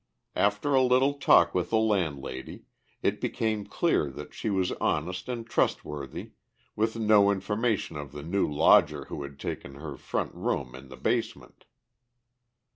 After a little talk with the landlady it became clear that she was honest and trustworthy, with no information of the new lodger who had taken her front room in the basement.